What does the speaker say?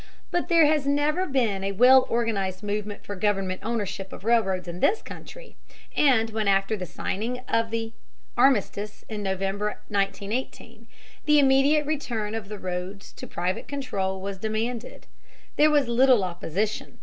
But there has never been a well organized movement for government ownership of railroads in this country, and when after the signing of the armistice in November, 1918, the immediate return of the roads to private control was demanded, there was little opposition.